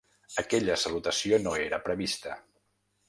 Aquella salutació no era prevista.